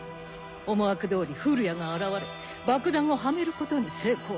思惑通り降谷が現れ爆弾をはめることに成功。